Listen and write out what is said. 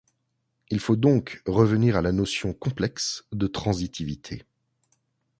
Il faut donc revenir à la notion complexe de transitivité.